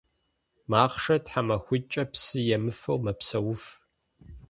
Махъшэр тхьэмахуитIкIэ псы емыфэу мэпсэуф.